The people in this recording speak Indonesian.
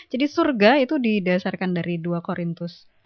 jadi surga itu didasarkan dari dua korintus